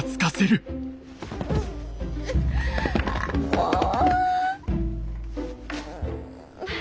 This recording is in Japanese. もう。